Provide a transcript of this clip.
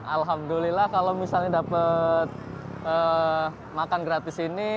alhamdulillah kalau misalnya dapat makan gratis ini